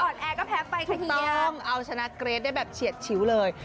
อ่อนแอก็แพ้ไปค่ะเฮียถูกต้องเอาชนะเกรทได้แบบเฉียดชิวเลย